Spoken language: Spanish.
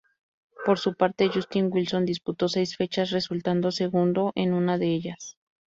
Por su parte, Justin Wilson disputó seis fechas, resultando segundo en una de ellas.